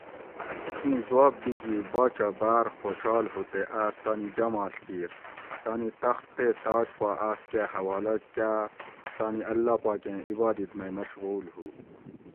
ایں زواب بیجی باچہ باۤر خوشال ہُو تے آۤس تانی جاماڷ کیر؟ تانی تخت تے تاج پا آۤس کہ حوالہ کاۤ تانی اللّہ پاکیں عبادت مئی مشغول ہُو